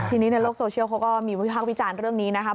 ทีนี้ในโลกโซเชียลเขาก็มีวิพากษ์วิจารณ์เรื่องนี้นะครับ